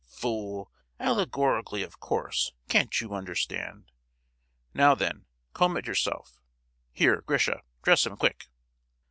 "Fool!—allegorically, of course—can't you understand? Now, then, comb it yourself. Here, Grisha, dress him, quick!"